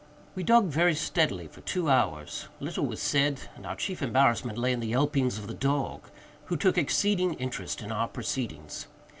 We dug very steadily for two hours. Little was said; and our chief embarrassment lay in the yelpings of the dog, who took exceeding interest in our proceedings.